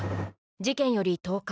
事件より１０日。